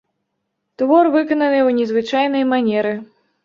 Твор выкананы ў незвычайнай манеры.